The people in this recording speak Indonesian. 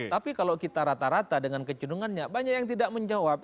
tapi kalau kita rata rata dengan kecendungannya banyak yang tidak menjawab